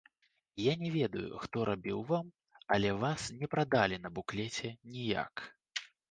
Я не ведаю, хто рабіў вам, але вас не прадалі на буклеце ніяк.